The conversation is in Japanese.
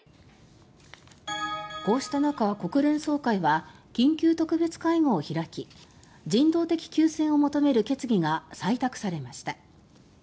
こうした中、国連総会は緊急特別会合を開き人道的休戦を求める決議が採択されました。